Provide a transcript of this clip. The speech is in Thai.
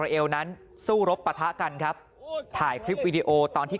เหมือนกับพ่ออัลบิต